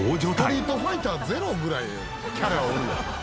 『ストリートファイターＺＥＲＯ』ぐらいキャラおるやん。